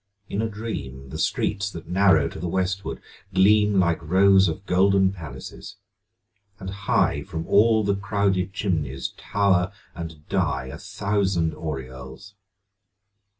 In a dream The streets that narrow to the westward gleam Like rows of golden palaces; and high From all the crowded chimneys tower and die A thousand aureoles.